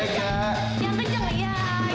yang kenceng ya